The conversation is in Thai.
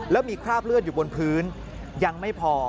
แล้วมีคราบเลือดอยู่บนพื้นยังไม่พอ